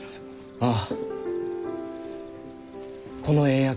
ああ